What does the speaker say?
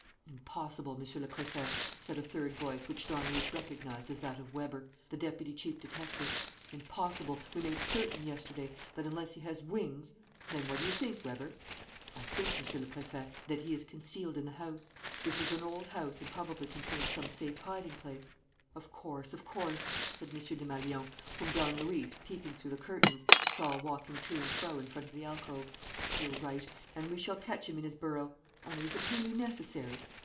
"Impossible, Monsieur le Préfet," said a third voice, which Don Luis recognized as that of Weber, the deputy chief detective. "Impossible. We made certain yesterday, that unless he has wings " "Then what do you think, Weber?" "I think, Monsieur le Préfet, that he is concealed in the house. This is an old house and probably contains some safe hiding place " "Of course, of course," said M. Desmalions, whom Don Luis, peeping through the curtains, saw walking to and fro in front of the alcove. "You're right; and we shall catch him in his burrow. Only, is it really necessary?"